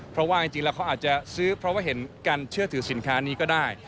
เพราะว่าจริงแล้วเขาอาจจะซื้อเพราะว่าเห็นการเชื่อถือสินค้านี้ก็ได้